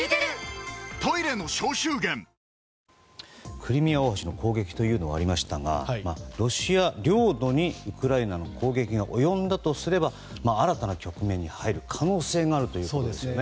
クリミア大橋への攻撃というのがありましたがロシア領土にウクライナの攻撃が及んだとすれば新たな局面に入る可能性があるということですね。